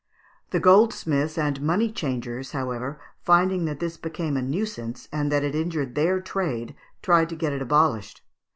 The goldsmiths and money changers, however, finding that this became a nuisance, and that it injured their trade, tried to get it abolished.